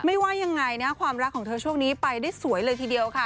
ว่ายังไงนะความรักของเธอช่วงนี้ไปได้สวยเลยทีเดียวค่ะ